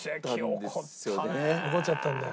起こっちゃったんだよ。